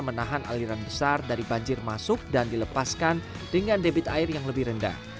menahan aliran besar dari banjir masuk dan dilepaskan dengan debit air yang lebih rendah